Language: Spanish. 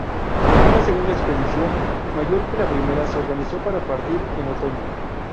Una segunda expedición, mayor que la primera, se organizó para partir en otoño.